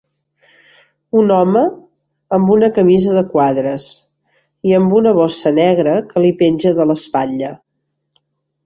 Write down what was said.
Un home amb una camisa de quadres i amb una bossa negra que li penja de l'espatlla